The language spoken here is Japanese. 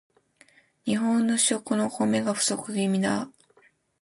日本の主食のお米が不足気味だ